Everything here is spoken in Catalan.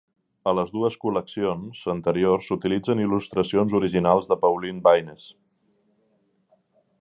A les dues col·leccions anteriors s'utilitzen il·lustracions originals de Pauline Baynes.